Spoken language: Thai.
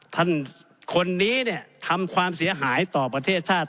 ท่านคนนี้เนี่ยทำความเสียหายต่อประเทศชาติ